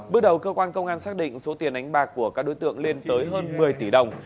bước đầu cơ quan công an xác định số tiền đánh bạc của các đối tượng lên tới hơn một mươi tỷ đồng